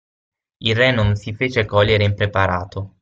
Il re non si fece cogliere impreparato.